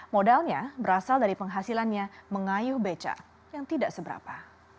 modalnya berasal dari penghasilannya mengayuh beca yang tidak seberapa